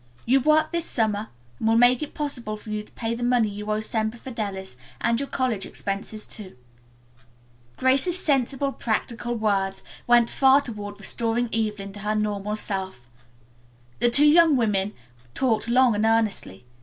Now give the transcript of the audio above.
Your work this summer will make it possible for you to pay the money you owe Semper Fidelis and your college expenses too." Grace's sensible, practical, words, went far toward restoring Evelyn to her normal self. The two young women talked long and earnestly.